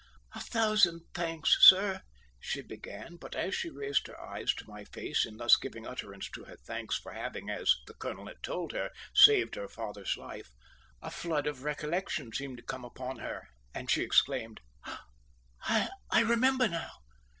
"A thousand thanks, sir," she began; but as she raised her eyes to my face in thus giving utterance to her thanks for having, as the colonel had told her, saved her father's life, a flood of recollection seemed to come upon her, and she exclaimed: "Ah, I remember now!